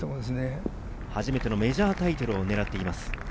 初めてのメジャータイトルを狙っています。